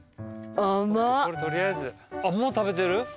あっもう食べてる？